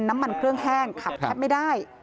มันเครื่องแห้งขับไม่ได้